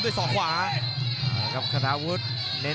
กำปั้นขวาสายวัดระยะไปเรื่อย